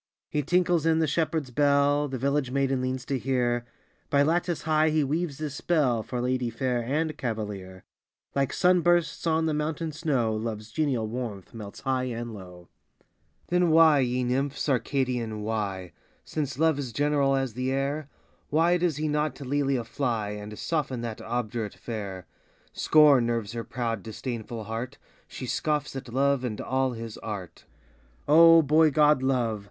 He tinkles in the shepherd s bell The village maiden leans to hear By lattice high he weaves his spell, For lady fair and cavalier : Like sun bursts on the mountain snow, Love s genial warmth melts high and low. THE DREAM OF LOVE. 71 Then why, ye nymphs Arcadian, why Since Love is general as the air Why does he not to Lelia fly, And soften that obdurate fair? Scorn nerves her proud, disdainful heart ! She scoffs at Love and all his art ! Oh, boy god, Love